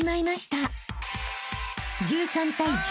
［１３対１２